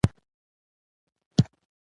چريو او عامه لارو کي اچوئ.